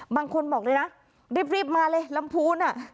บางคนบอกเลยนะรีบมาเลยลำพูนอ่ะ